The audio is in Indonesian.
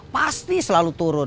pasti selalu turun